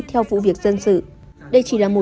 theo vụ việc dân sự